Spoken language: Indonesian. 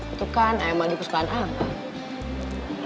itu kan ayam madu kesukaan abah